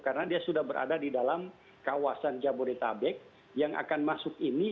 karena dia sudah berada di dalam kawasan jabodetabek yang akan masuk ini